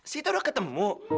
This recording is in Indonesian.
sita sudah ketemu